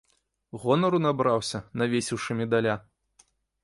Гонару набраўся, навесіўшы медаля.